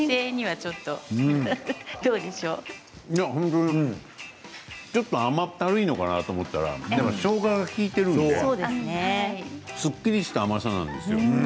ちょっと甘ったるいのかなと思ったらしょうがが効いているのですっきりした甘さなんですよ。